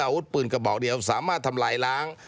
อาวุธปืนกระบอกเดียวสามารถทำลายล้าง